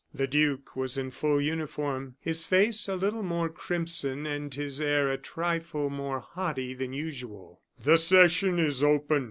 The duke was in full uniform, his face a little more crimson, and his air a trifle more haughty than usual. "The session is open!"